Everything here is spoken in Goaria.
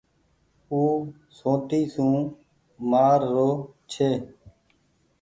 او سوٽي سون مآر رو ڇي۔